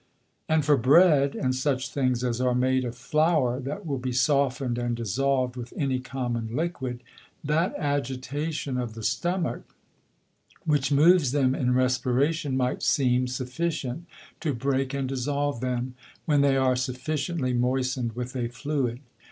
And for Bread, and such things as are made of Flower, that will be softned and dissolv'd with any common Liquid, that Agitation of the Stomach which moves them in Respiration, might seem sufficient to break and dissolve them, when they are sufficiently moisten'd with a Fluid.